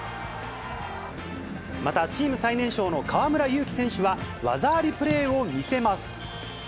また、チーム最年少の河村勇輝選手は、技ありプレーを見せます。